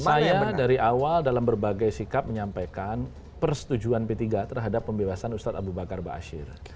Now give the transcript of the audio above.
saya dari awal dalam berbagai sikap menyampaikan persetujuan p tiga terhadap pembebasan ustaz abu bakar ba'asyir